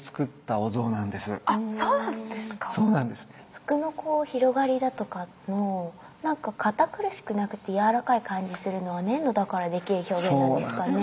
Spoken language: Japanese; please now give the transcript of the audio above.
服の広がりだとかも何か堅苦しくなくてやわらかい感じするのは粘土だからできる表現なんですかね？